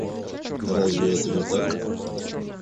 Разве это не так?